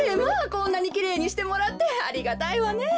こんなにきれいにしてもらってありがたいわねえ。